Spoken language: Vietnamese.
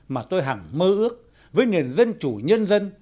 mà tôi hằng mơ ước với nền dân chủ nhân dân